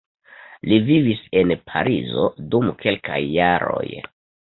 Li vivis en Parizo dum kelkaj jaroj.